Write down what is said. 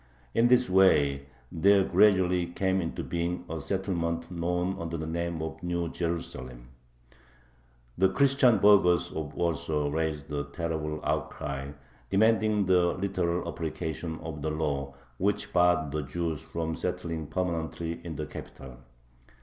In this way there gradually came into being a settlement known under the name of New Jerusalem. The Christian burghers of Warsaw raised a terrible outcry demanding the literal application of the law which barred the Jews from settling permanently in the capital.